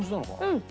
うん。